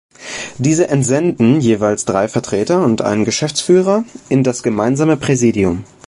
Diese entsenden jeweils drei Vertreter und einen Geschäftsführer in das gemeinsame Präsidium.